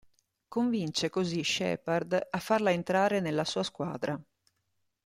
Convince così Shepard a farla entrare nella sua squadra.